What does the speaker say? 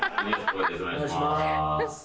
お願いします。